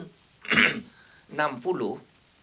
dia itu dikirim oleh bung karno ke jerman sekolah